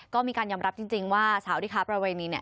ก็มีการยอมรับจริงว่าสาวที่ค้าประเวณีเนี่ย